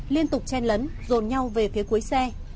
liên tục chen lấn rồn nhau về phía cuối xe